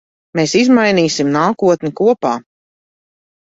Mēs izmainīsim nākotni kopā.